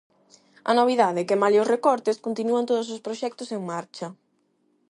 A novidade: que malia os recortes continúan todos os proxectos en marcha.